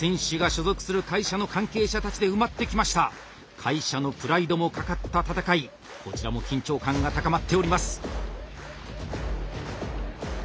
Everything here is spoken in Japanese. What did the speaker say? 会社のプライドも懸かった戦いこちらも緊張感が高まっております。